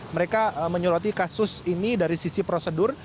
mereka menyoroti kasus ini dari sisi prosedur